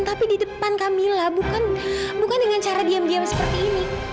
tapi di depan camillah bukan dengan cara diam diam seperti ini